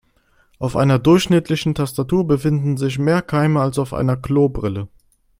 Auf einer durchschnittlichen Tastatur befinden sich mehr Keime als auf einer Klobrille.